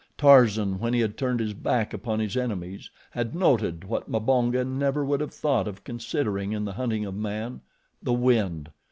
Tarzan, when he had turned his back upon his enemies, had noted what Mbonga never would have thought of considering in the hunting of man the wind.